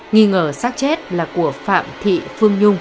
nghi ngờ xác chết là của phạm thị phương nhung